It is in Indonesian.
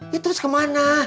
ya terus ke mana